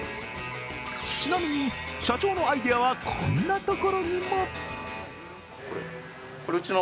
ちなみに社長のアイデアはこんなところにも。